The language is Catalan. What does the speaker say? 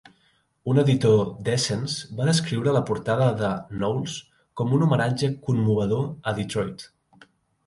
Un editor d'"Essence" va descriure la portada de Knowles com un "homenatge commovedor a Detroit".